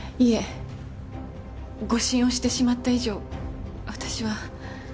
いえ誤診をしてしまった以上私は。